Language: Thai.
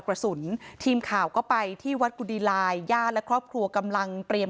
กระสุนทีมข่าวก็ไปที่วัดกุดีลายญาติและครอบครัวกำลังเตรียม